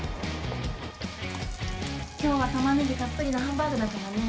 今日はタマネギたっぷりのハンバーグだからね。